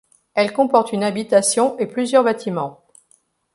Elle comporte une habitation et plusieurs bâtiments.